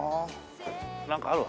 なんかあるわ。